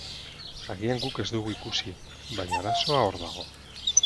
Agian guk ez dugu ikusi, baina arazoa hor dago.